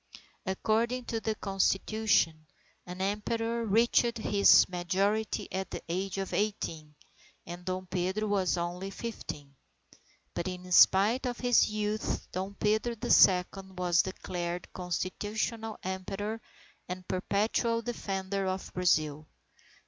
According to the Constitution, an Emperor reached his majority at the age of eighteen, and Dom Pedro was only fifteen. But in spite of his youth, Dom Pedro the Second was declared constitutional Emperor and perpetual defender of Brazil.